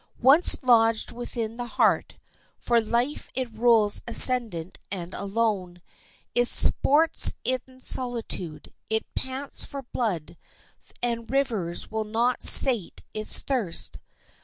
Once lodged within the heart, for life it rules ascendant and alone. It sports in solitude. It pants for blood, and rivers will not sate its thirst.